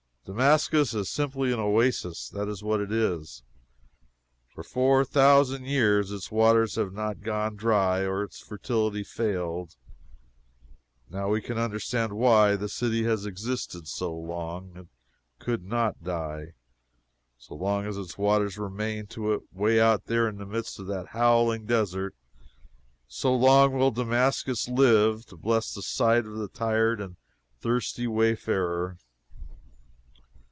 Damascus is simply an oasis that is what it is. For four thousand years its waters have not gone dry or its fertility failed. Now we can understand why the city has existed so long. It could not die. So long as its waters remain to it away out there in the midst of that howling desert, so long will Damascus live to bless the sight of the tired and thirsty wayfarer.